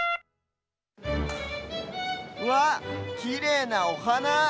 うわっきれいなおはな。